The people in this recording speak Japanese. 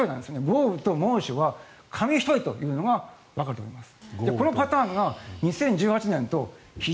豪雨と猛暑は紙一重というのがわかると思います。